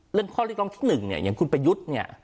เรื่องข้อเรียกร้องที่๑เนี่ยอย่างคุณประยุทธ์เนี่ย